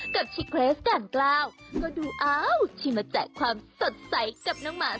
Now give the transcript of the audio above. กับชิคเลสก่อนกล่าวก็ดูอ้าวชิคกี้พายมาแจกความสดใสกับน้องหมา